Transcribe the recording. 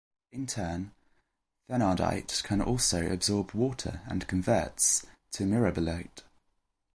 In turn, thenardite can also absorb water and converts to mirabilite.